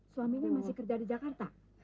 suaminya masih kerja di jakarta